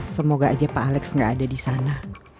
semoga aja pak alex gak ada disana